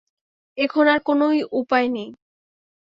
এখন আর কোনোই উপায় নেই।